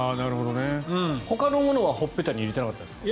ほかのものはほっぺたに入れてなかったですか。